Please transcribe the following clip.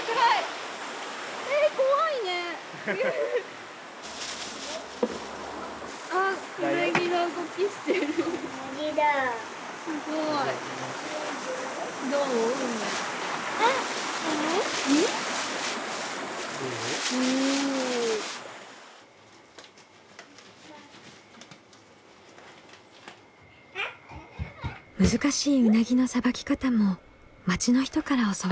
難しいうなぎのさばき方も町の人から教わりました。